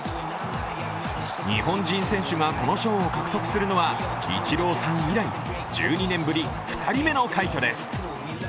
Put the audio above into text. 日本人選手がこの賞を獲得するのはイチローさん以来１２年ぶり２人目の快挙です。